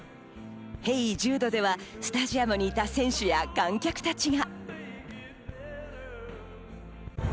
『ＨｅｙＪｕｄｅ』ではスタジアムにいた選手や観客たちが。